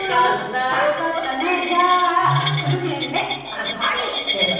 あっ何言ってるのよ。